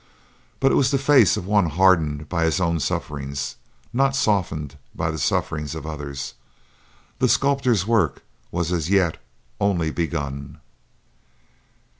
But it was the face of one hardened by his own sufferings, not softened by the sufferings of others. The sculptor's work was as yet only begun.